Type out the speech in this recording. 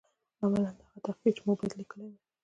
عملاً هغه تحقیق چې ما باید لیکلی وای.